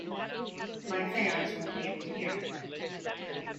My fans won't be able to hear me.